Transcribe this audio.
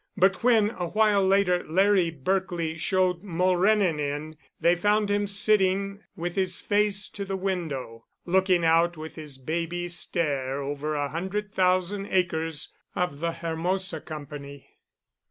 But when, a while later, Larry Berkely showed Mulrennan in, they found him sitting with his face to the window, looking out with his baby stare over the hundred thousand acres of the Hermosa Company.